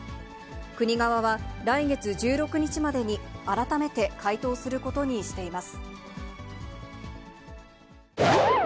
国側は、来月１６日までに改めて回答することにしています。